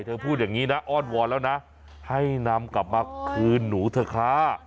พูดอย่างนี้นะอ้อนวอนแล้วนะให้นำกลับมาคืนหนูเถอะค่ะ